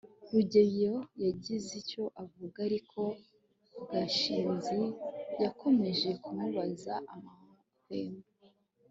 rugeyo yagize icyo avuga, ariko gashinzi yakomeje kumubuza amahwemo